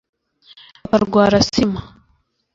bakarwara asima